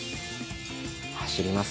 走ります？